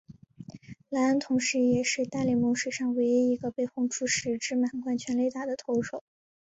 莱恩同时也是大联盟史上唯一一个被轰出十支满贯全垒打的投手。